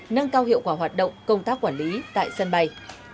nâng cao hiệu quả hoạt động công tác quản lý tại sân bay